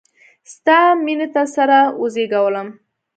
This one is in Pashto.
ستا میینې د سره وزیږولم